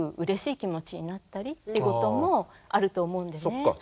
そっか。